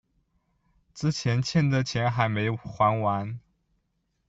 之前欠的钱还没还完